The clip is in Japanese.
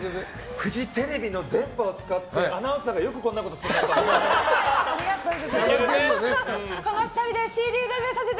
フジテレビの電波を使ってアナウンサーがよくこんなことするなって。